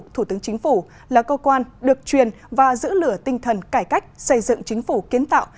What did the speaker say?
thủ tướng chính phủ là cơ quan được truyền và giữ lửa tinh thần cải cách xây dựng chính phủ kiến tạo